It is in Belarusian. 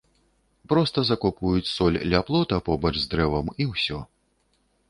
Проста закопваюць соль ля плота побач з дрэвам і ўсё.